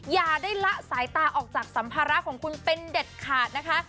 อย่าได้ละสายตาออกจากสัมภาระของคุณเป็นเด็ดขาดนะคะ